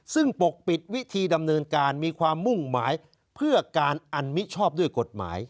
ซึ่งปกปิดวิธีดำเนินการมีความมุ่งหมายเพื่อการอันมิชอบด้วยกฎหมาย